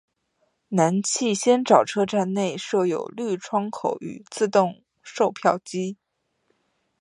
南气仙沼车站内设有绿窗口与自动售票机。